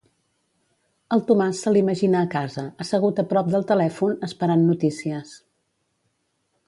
El Tomàs se l'imagina a casa, assegut a prop del telèfon, esperant notícies.